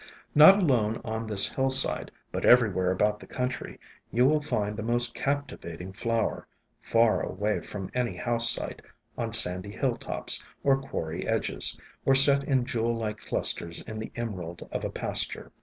Not alone on this hillside, but everywhere about the country, you will find this most captivating flower, far away from any house site, on sandy hilltops, or quarry edges, or set in jewel like clusters in the emerald of a pasture.